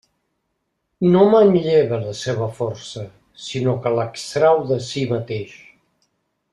No manlleva la seva força, sinó que l'extrau de si mateix.